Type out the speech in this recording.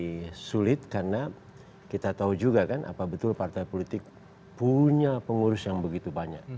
pengurus juga di sana lebih sulit karena kita tahu juga kan apa betul partai politik punya pengurus yang begitu banyak